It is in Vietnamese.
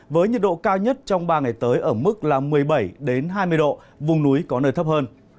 với nhiệt độ cao nhất trong ba ngày tới ở mức một mươi bảy hai mươi độ vùng núi có nơi thấp hơn